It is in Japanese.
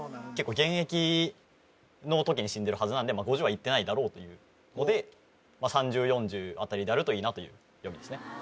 結構現役の時に死んでるはずなんで５０はいってないだろうというので３０４０辺りであるといいなという読みですね